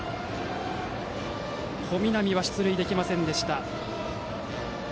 小南は出塁できませんでした。